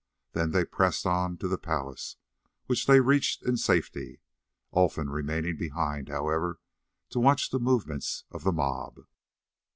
Then they pressed on to the palace, which they reached in safety, Olfan remaining behind, however, to watch the movements of the mob.